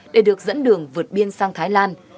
để được dẫn đường vượt biên sang thái lan